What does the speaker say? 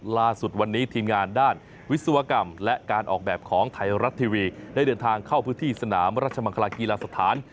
ล่าสุดวันนี้ทีมงานด้านวิศวกรรมและการออกแบบของไทยรัฐทีวีได้เดินทางเข้าพื้นที่สนามราชมังคลากีฬาสถาน